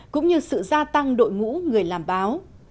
cũng như sự gia tăng đội ngũ người làm báo